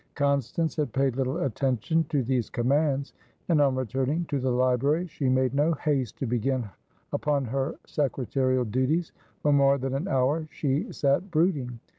Constance had paid little attention to these commands, and, on returning to the library, she made no haste to begin upon her secretarial duties. For more than an hour she sat brooding.